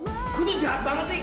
aku tuh jahat banget sih